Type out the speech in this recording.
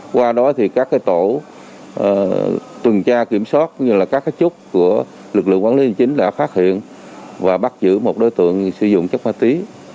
qua đó thì các tổ tuần tra kiểm soát các trúc của lực lượng quản lý hành chính đã phát hiện và bắt giữ một đối tượng sử dụng chất ma tí